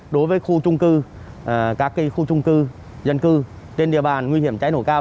đối với khu trung cư các khu trung cư dân cư trên địa bàn nguy hiểm cháy nổ cao